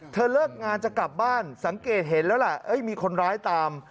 เลิกงานจะกลับบ้านสังเกตเห็นแล้วล่ะมีคนร้ายตาม